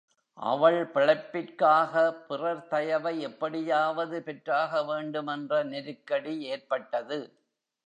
அவள் பிழைப்பிற்காக பிறர் தயவை எப்படியாவது பெற்றாக வேண்டும் என்ற நெருக்கடி ஏற்பட்டது.